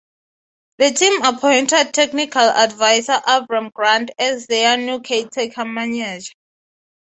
The team appointed technical advisor Avram Grant as their new caretaker manager.